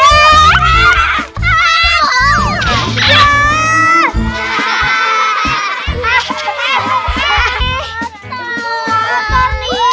aduh biarin aja